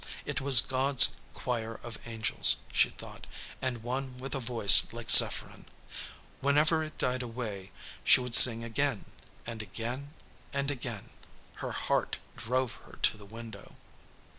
It was God's choir of angels, she thought, and one with a voice like Zepherin! Whenever it died away she would sing again, and again, and again [Illustration: "HER HEART DROVE HER TO THE WINDOW".